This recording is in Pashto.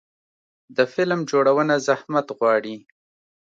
د فلم جوړونه زحمت غواړي.